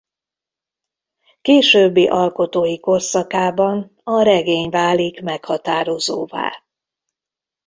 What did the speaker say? Későbbi alkotói korszakában a regény válik meghatározóvá.